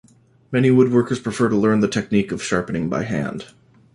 Many woodworkers prefer to learn the technique of sharpening by hand.